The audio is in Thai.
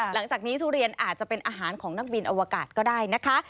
หลังจากนี้ทุเรียนอาจจะเป็นอาหารของนักบินอวกาศก็ได้นะคะ